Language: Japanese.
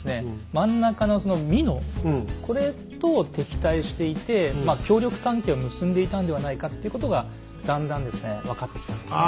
真ん中の美濃これと敵対していてまあ協力関係を結んでいたんではないかっていうことがだんだんですね分かってきたんですね。